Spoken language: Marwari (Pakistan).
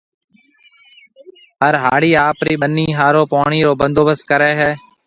هر هاڙِي آپرِي ٻنِي هاورن پوڻِي رو بندوبست ڪريَ هيَ۔